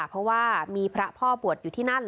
เพราะว่ามีพระพ่อบวชอยู่ที่นั่น